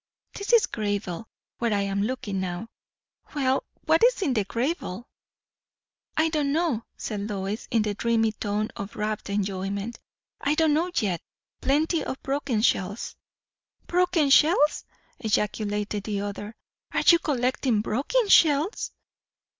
"This is gravel, where I am looking now." "Well, what is in the gravel?" "I don't know," said Lois, in the dreamy tone of rapt enjoyment. "I don't know yet. Plenty of broken shells." "Broken shells!" ejaculated the other. "Are you collecting broken shells?"